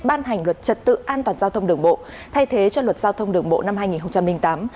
ban hành luật trật tự an toàn giao thông đường bộ thay thế cho luật giao thông đường bộ năm hai nghìn tám